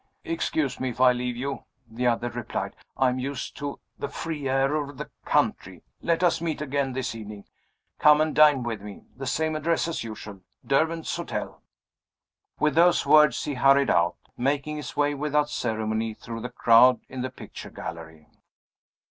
"Excuse me if I leave you," the other replied. "I am used to the free air of the country. Let us meet again this evening. Come and dine with me. The same address as usual Derwent's Hotel." With those words he hurried out, making his way, without ceremony, through the crowd in the picture gallery.